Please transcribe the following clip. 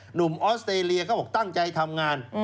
ออสเตรเลียเขาบอกตั้งใจทำงาน